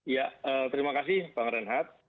ya terima kasih bang renhat